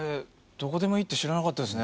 どこでもいいって知らなかったですね。